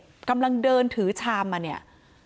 กำลังเดินถือชามมาเนี่ย